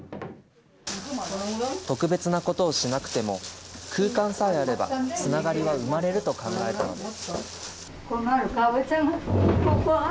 特別なことをしなくても、空間さえあれば、つながりは生まれると考えたのです。